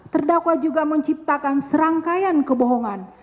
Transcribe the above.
terdakwa juga menciptakan serangkaian kebohongan